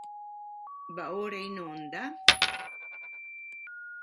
Va ora in onda".